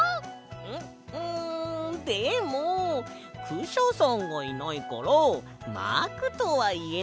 んっんでもクシャさんがいないからマークとはいえないよ。